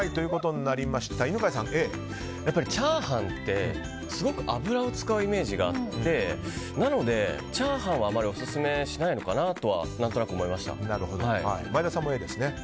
やっぱりチャーハンってすごく油を使うイメージがあってなので、チャーハンはあまりオススメしないのかなとは前田さんもＡですね。